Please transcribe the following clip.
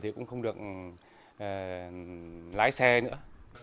thì cũng không được lái xe nữa